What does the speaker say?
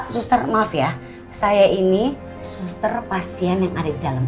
suster maaf ya saya ini suster pasien yang ada di dalam